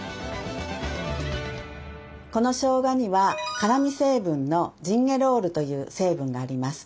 このしょうがには辛み成分のジンゲロールという成分があります。